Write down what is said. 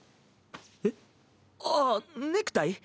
えっ？ああネクタイ？